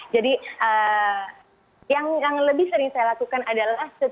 jadi yang lebih sering saya lakukan adalah